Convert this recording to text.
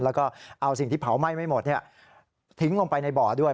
แล้วก็เอาสิ่งที่เผาไหม้ไม่หมดทิ้งลงไปในบ่อด้วย